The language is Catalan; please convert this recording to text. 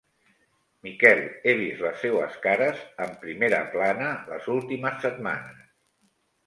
Miquel, he vist les seues cares en primera plana les últimes setmanes.